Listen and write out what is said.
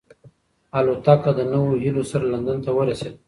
الوتکه د نویو هیلو سره لندن ته ورسېده.